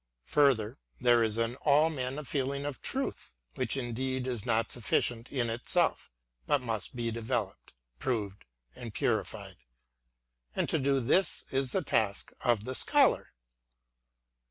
Further, — there is in all men a feeling of truth, which indeed is not sufficient in itself, but must be developed, proved, and purified; — and to do this is the task of the Scholar.